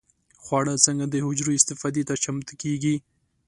خواړه څنګه د حجرو استفادې ته چمتو کېږي؟